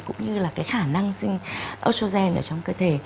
cũng như là khả năng sinh estrogen ở trong cơ thể